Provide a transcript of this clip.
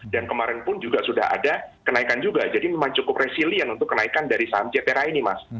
dan kemarin pun juga sudah ada kenaikan juga jadi memang cukup resilient untuk kenaikan dari saham cetera ini mas